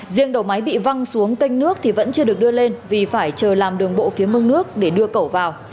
riêng đầu máy bị văng xuống canh nước thì vẫn chưa được đưa lên vì phải chờ làm đường bộ phía mương nước để đưa cẩu vào